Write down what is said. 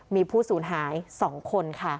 มีผู้สูญหาย๒คนค่ะ